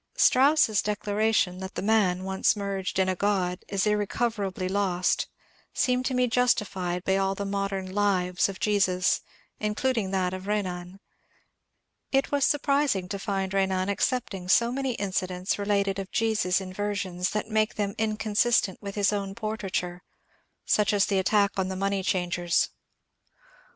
Strauss's declaration that THE SCOURGING IN THE TEMPLE 419 the man once merged in a god is irreooverably lost seemed to me justified by all the modem ^* Lives " of Jesus, including that of Benan. It was surprising to find Benan accepting so many incidents related of Jesus in versions that make them inconsistent with his own portraiture, — such as the attack on the money changers.